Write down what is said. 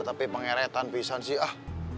tapi pengheretan pisah sih